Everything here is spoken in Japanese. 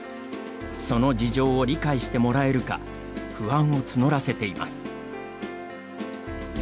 その事情を理解してもらえるか不安を募らせています。